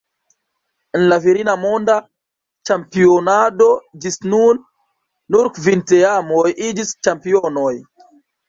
En la virina monda ĉampionado ĝis nun nur kvin teamoj iĝis ĉampionoj.